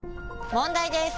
問題です！